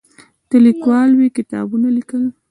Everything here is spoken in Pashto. ته لیکوال وې تا کتابونه لیکل.